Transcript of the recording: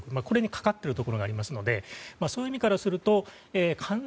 これにかかっているところがありますのでそういう意味からする